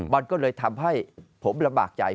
มันก็เลยทำให้ผมลำบากใจ